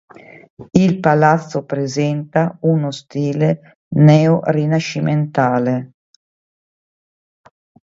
Il palazzo presenta uno stile neorinascimentale.